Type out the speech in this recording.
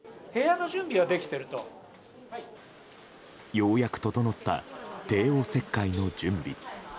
ようやく整った帝王切開の準備。